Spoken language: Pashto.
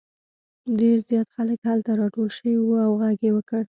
ډېر زیات خلک هلته راټول شوي وو او غږ یې وکړ.